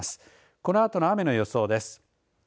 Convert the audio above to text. このあとの雨の予想です。